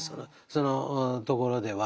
そのところでは。